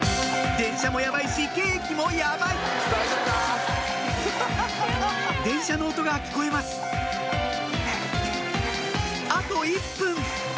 電車もやばいしケーキもやばい電車の音が聞こえますハァハァ。